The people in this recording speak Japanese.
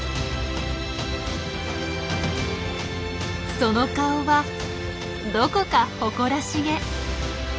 その顔はどこか誇らしげ。